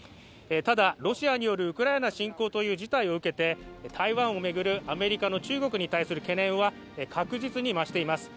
ただ、ロシアによるウクライナ侵攻という事態を受けて台湾を巡るアメリカの中国に対する懸念は確実に増しています。